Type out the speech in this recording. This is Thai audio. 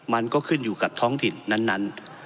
มันก็ขึ้นอยู่กับท้องถิ่นนั้น